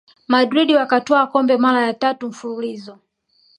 madrid wakatwaa kombe mara ya tatu mfululizo